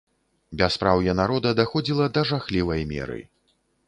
Бяспраўе народа даходзіла да жахлівай меры.